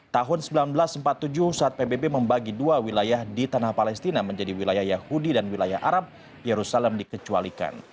tahun seribu sembilan ratus empat puluh tujuh saat pbb membagi dua wilayah di tanah palestina menjadi wilayah yahudi dan wilayah arab yerusalem dikecualikan